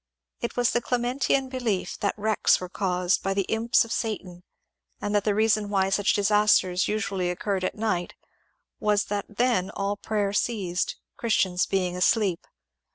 It was the Clementian belief that wrecks were caused by the imps of Satan, and that the reason why such disasters usually occurred at night was that then all prayer ceased, Christians being asleep.